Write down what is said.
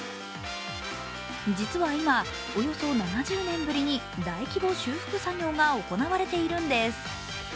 実は今、およそ７０年ぶりに大規模修復作業が行われているんです。